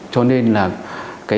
cho nên là